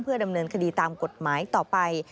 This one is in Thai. ดำเนินคดีตามกฎหมายต่อไป